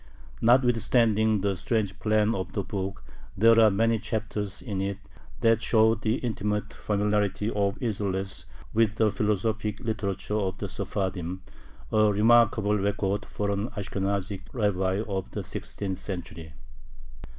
Notwithstanding the strange plan of the book there are many chapters in it that show the intimate familiarity of Isserles with the philosophic literature of the Sephardim, a remarkable record for an Ashkenazic rabbi of the sixteenth century.